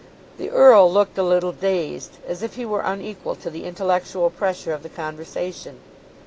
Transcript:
The earl looked a little dazed, as if he were unequal to the intellectual pressure of the conversation.